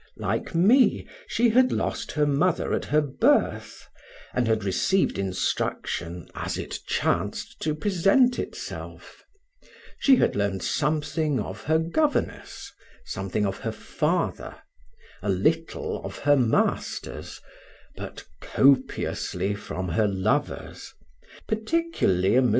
Like me, she had lost her mother at her birth, and had received instruction as it chanced to present itself; she had learned something of her governess, something of her father, a little of her masters, but copiously from her lovers; particularly a M.